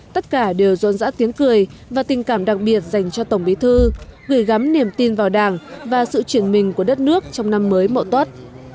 tất cả đều rôn dã tiếng cười và tình cảm đặc biệt dành cho tổng bí thư gửi gắm niềm tin vào đảng và sự chuyển mình của đất nước trong năm mới mậu tuất